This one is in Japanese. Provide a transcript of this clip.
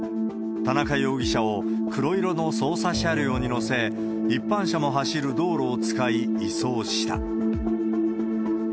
田中容疑者を黒色の捜査車両に乗せ、一般車も走る道路を使い、移送した。